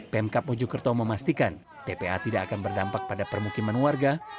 pemkap mojokerto memastikan tpa tidak akan berdampak pada permukiman warga